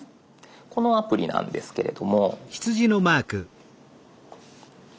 このアプリなんですけれども。